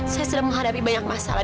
saya sudah menghadapi banyak masalah